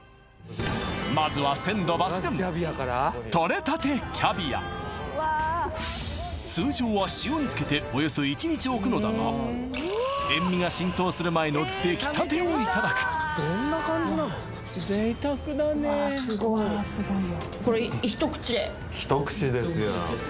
まずは鮮度抜群通常は塩に漬けておよそ１日おくのだが塩味が浸透する前の出来たてをいただくわあスゴいひと口ですよ